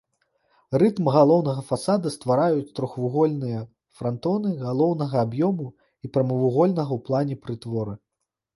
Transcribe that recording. Рытм галоўнага фасада ствараюць трохвугольныя франтоны галоўнага аб'ёму і прамавугольнага ў плане прытвора.